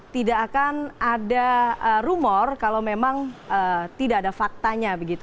tidak akan ada rumor kalau memang tidak ada faktanya begitu